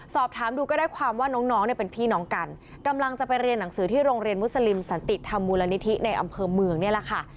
สอบถามดูก็ได้ความว่าน้องน้องเนี่ยเป็นพี่น้องกันกำลังจะไปเรียนหนังสือที่โรงเรียนมุสลิมสันติธรรมมูลนิธิในอำเภอเมืองนี่แหละค่ะ